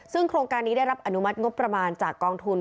ซึ่งโครงการนี้ได้รับอนุมัติงบประมาณจากกองทุน